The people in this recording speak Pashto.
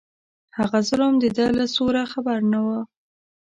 هغه ظالم د ده له سوره خبر نه و.